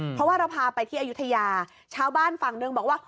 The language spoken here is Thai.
เพราะว่าเราพาไปที่อายุทยาชาวบ้านฝั่งหนึ่งบอกว่า